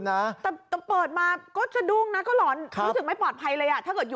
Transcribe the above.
ให้โอกาสแล้วกันยังโน้นตัวเข้าไปอย่างน้อย